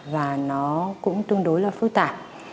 và nó cũng tương đối là phức tạp